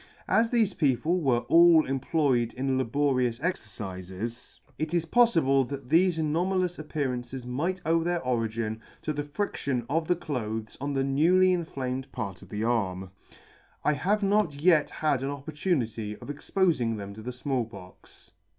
As thefe people were all employed in laborious exercifes, it is poffible that thefe anoma lous appearances might owe their origin to the fridtion of the clothes on the newly inflamed part of the arm. I have not yet had an opportunity of expofing them to the Small Pox.